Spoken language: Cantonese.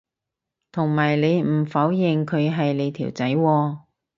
同埋你唔否認佢係你條仔喎